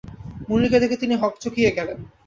মুনিরকে দেখে তিনি হকচকিয়ে গেলেন।